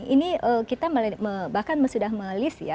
ini kita bahkan sudah melis ya